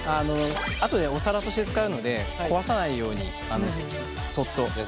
あとでお皿として使うので壊さないようにそっと。